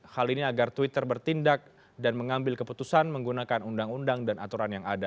hal ini agar twitter bertindak dan mengambil keputusan menggunakan undang undang dan aturan yang ada